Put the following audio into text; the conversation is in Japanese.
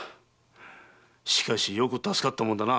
しかしよく助かったものだな。